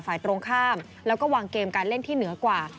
ฝ่ายตรงข้ามแล้วก็วางเกมการเล่นที่เหนือกว่า